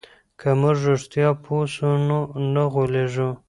که موږ رښتیا پوه سو نو نه غولېږو.